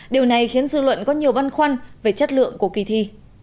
điều này khiến dư luận có nhiều băn khoăn về chất lượng của kỳ thi